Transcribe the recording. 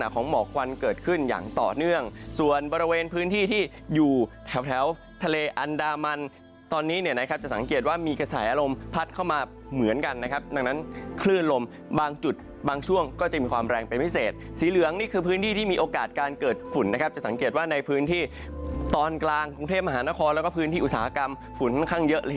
ของหมอกควันเกิดขึ้นอย่างต่อเนื่องส่วนบริเวณพื้นที่ที่อยู่แถวทะเลอันดามันตอนนี้เนี่ยนะครับจะสังเกตว่ามีกระแสลมพัดเข้ามาเหมือนกันนะครับดังนั้นคลื่นลมบางจุดบางช่วงก็จะมีความแรงเป็นพิเศษสีเหลืองนี่คือพื้นที่ที่มีโอกาสการเกิดฝุ่นนะครับจะสังเกตว่าในพื้นที่ตอนกลางกรุงเทพมหานครแล้วก็พื้นที่อุตสาหกรรมฝุ่นค่อนข้างเยอะ